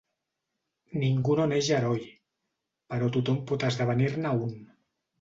Ningú no neix heroi, però tothom pot esdevenir-ne un.